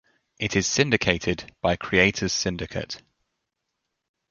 It is syndicated by Creators Syndicate.